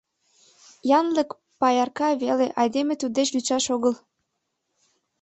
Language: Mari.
Янлык паярка веле, айдеме туддеч лӱдшаш огыл.